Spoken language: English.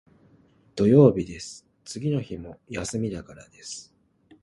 土曜日です。次の日も休みだからです。